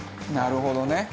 なるほどね。